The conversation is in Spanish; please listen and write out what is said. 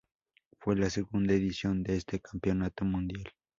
Fue la segunda edición de este campeonato mundial.